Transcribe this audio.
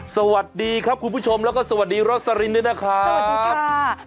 สวัสดีครับคุณผู้ชมแล้วก็สวัสดีโลสาลินเนี่ยนะค่ะสวัสดีครับกูขะ